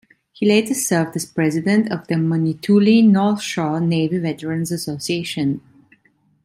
He later served as president of the Manitoulin-North Shore Navy Veterans Association.